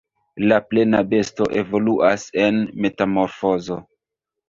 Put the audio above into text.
La plena besto evoluas en metamorfozo.